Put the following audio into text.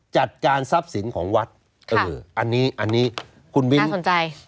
จัดการทรัพย์สินของวัดเอออันนี้อันนี้คุณมิ้นสนใจ